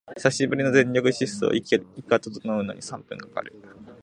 久しぶりの全力疾走、息が整うのに三分かかる